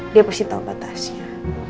dia pasti tau batasnya